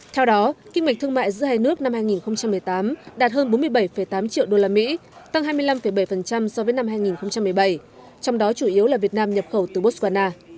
theo đó kinh mệch thương mại giữa hai nước năm hai nghìn một mươi tám đạt hơn bốn mươi bảy tám triệu usd tăng hai mươi năm bảy so với năm hai nghìn một mươi bảy trong đó chủ yếu là việt nam nhập khẩu từ botswana